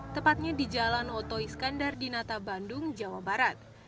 tepatnya di jalan oto iskandar di nata bandung jawa barat